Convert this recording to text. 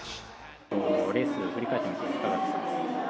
レースを振り返ってみていかがですか？